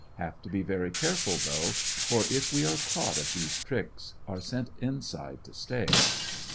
Have to be very careful, though, for if we are caught at these tricks are sent inside to stay.